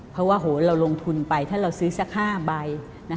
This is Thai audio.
เพราะว่าเราลงทุนไปถ้าเราซื้อสัก๕ใบ